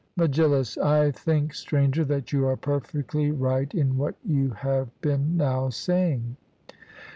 MEGILLUS: I think, Stranger, that you are perfectly right in what you have been now saying.